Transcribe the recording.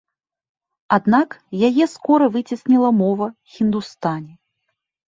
Аднак яе скора выцесніла мова хіндустані.